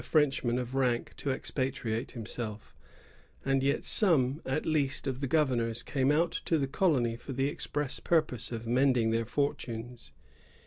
Frenchman of rank to expatriate himself; and yet some at least of the governors came out to the colony for the express purpose of mending their fortunes.